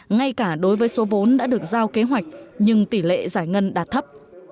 ngay cả đối với số vốn đã được giao kế hoạch nhưng tỷ lệ giải ngân đạt thấp